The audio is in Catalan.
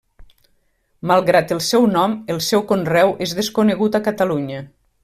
Malgrat el seu nom, el seu conreu és desconegut a Catalunya.